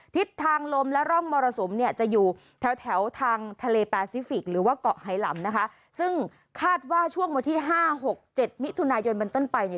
ทิศทางลมและร่องมรสุมเนี่ยจะอยู่แถวแถวทางทะเลแปซิฟิกหรือว่าเกาะไฮลำนะคะซึ่งคาดว่าช่วงวันที่ห้าหกเจ็ดมิถุนายนเป็นต้นไปเนี่ย